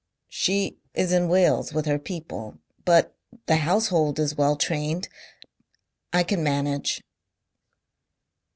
"She is in Wales with her people. But the household is well trained. I can manage."